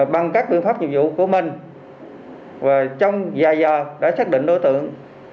bằng các biện pháp nhiệm vụ của mình và trong vài giờ đã xác định đối tượng